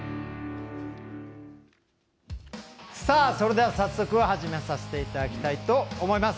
それでは、早速始めさせていただきたいと思います。